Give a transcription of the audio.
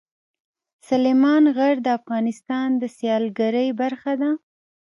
سلیمان غر د افغانستان د سیلګرۍ برخه ده.